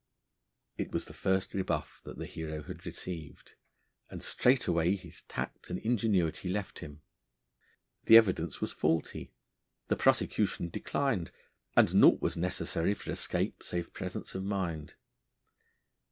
It was the first rebuff that the hero had received, and straightway his tact and ingenuity left him. The evidence was faulty, the prosecution declined, and naught was necessary for escape save presence of mind.